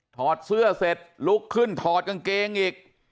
อดเสื้อเสร็จลุกขึ้นถอดกางเกงอีก